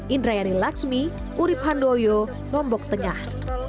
indrayani laksmi urib handoyo lombok tengah